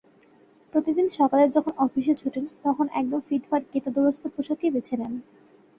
প্রতিদিন সকালে যখন অফিসে ছোটেন, তখন একদম ফিটফাট কেতাদুরস্ত পোশাকই বেছে নেন।